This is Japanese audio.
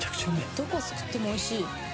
どこすくってもおいしい。